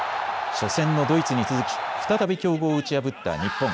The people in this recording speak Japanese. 初戦のドイツに続き再び強豪を打ち破った日本。